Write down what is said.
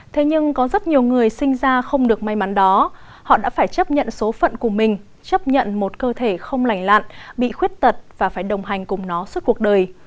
thế nhưng có rất nhiều người sinh ra không được may mắn đó họ đã phải chấp nhận số phận của mình chấp nhận một cơ thể không lành lặn bị khuyết tật và phải đồng hành cùng nó suốt cuộc đời